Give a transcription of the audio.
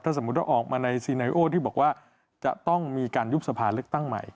สมมุติว่าออกมาในซีไนโอที่บอกว่าจะต้องมีการยุบสภาเลือกตั้งใหม่